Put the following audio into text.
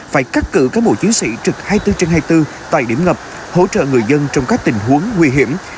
phải cắt cử các bộ chiến sĩ trực hai mươi bốn trên hai mươi bốn tại điểm ngập hỗ trợ người dân trong các tình huống nguy hiểm